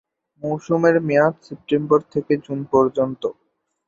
মৌসুমের মেয়াদ সেপ্টেম্বর থেকে জুন পর্যন্ত।